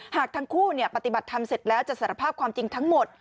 หากทั้งคู่ปฏิบัติธรรมเสร็จแล้วจะสารภาพความจริงทั้งหมด